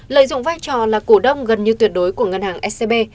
lợi dụng vai trò là cổ đông gần như tuyệt đối của ngân hàng scb